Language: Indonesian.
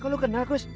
kok lu kenal pos